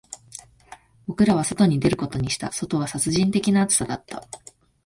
僕らは外に出ることにした、外は殺人的な暑さだった